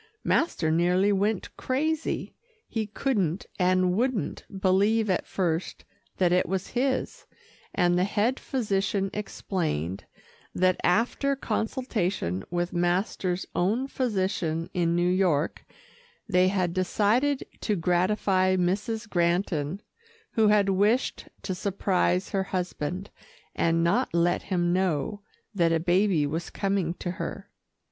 Master nearly went crazy. He couldn't, and wouldn't, believe at first that it was his, and the head physician explained, that after consultation with master's own physician in New York, they had decided to gratify Mrs. Granton, who had wished to surprise her husband, and not let him know that a baby was coming to her.